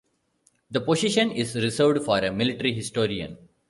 The position is reserved for a military historian.